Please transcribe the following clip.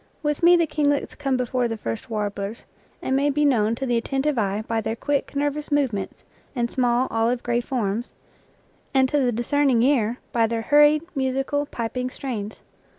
With me the kinglets come before the first warblers, and may be known to the attentive eye by their quick, nervous movements, and small, oiive gray forms, and to the discerning ear by their hurried, musical, piping strains.